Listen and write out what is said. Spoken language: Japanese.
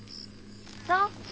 そう？